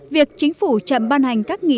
việc chính phủ chậm ban hành các nghị định